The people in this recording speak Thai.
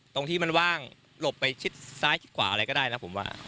ตรงที่มันว่างหลบไปชิดซ้ายชิดขวาอะไรก็ได้นะผมว่า